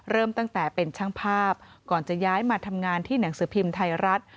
เริ่มตั้งแต่เป็นช่างภาพก่อนจะย้ายมาทำงานที่หนังสือพิมพ์ไทยรัฐ